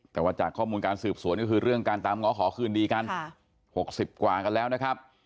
แต่ว่าจากข้อมูลการสืบสวนก็คือเรื่องการตามง้อขอคืนดีกัน๖๐กว่ากันแล้วนะครับ